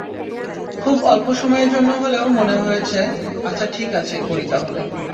খুব অল্প সময়ের জন্য হলেও মনে হয়েছে, আচ্ছা ঠিক আছে, করি তাহলে।